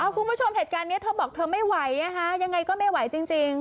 คุณผู้ชมเหตุการณ์นี้เธอบอกเธอไม่ไหวนะคะยังไงก็ไม่ไหวจริง